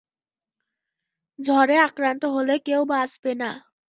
ঝড়ে আক্রান্ত হলে কেউ বাঁচবে না!